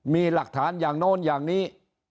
มีหลักฐานอย่างโน้นอย่างนี้